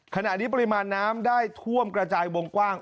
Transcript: ขณะนี้ปริมาณน้ำได้ท่วมกระจายวงกว้าง